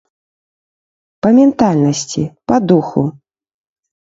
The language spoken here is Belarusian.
Па ментальнасці, па духу.